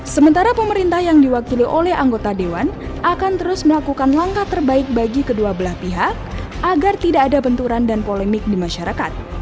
sementara pemerintah yang diwakili oleh anggota dewan akan terus melakukan langkah terbaik bagi kedua belah pihak agar tidak ada benturan dan polemik di masyarakat